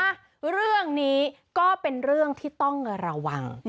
เรื่องนี้ก็เป็นเรื่องที่ต้องระวัง